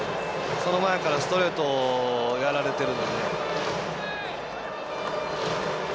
その前からストレートをやられてるんで。